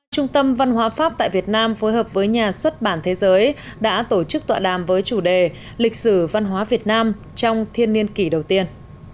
trung tâm văn hóa pháp tại việt nam phối hợp với nhà xuất bản thế giới đã tổ chức tọa đàm với chủ đề lịch sử văn hóa việt nam trong thiên niên kỷ đầu tiên